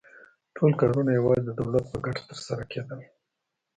ټول کارونه یوازې د دولت په ګټه ترسره کېدل